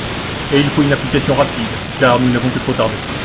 Et il faut une application rapide, car nous n’avons que trop tardé.